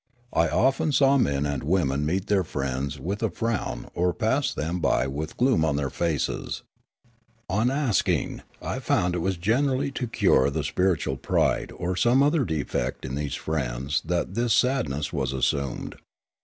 I often saw men and women meet their friends with a frown or pass them Aleofanian Devotion to Truth 45 by with gloom on their faces. On asking, I found it was generally to cure the spiritual pride or some other defect in these friends that this sadness was assumed.